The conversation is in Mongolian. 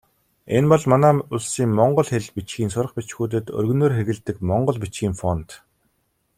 Энэ бол манай улсын монгол хэл, бичгийн сурах бичгүүдэд өргөнөөр хэрэглэдэг монгол бичгийн фонт.